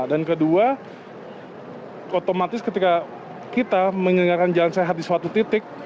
dan kedua otomatis ketika kita menyelenggaran jalan sehat di suatu titik